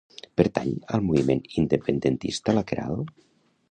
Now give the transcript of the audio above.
Pertany al moviment independentista la Queralt?